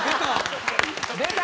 出た！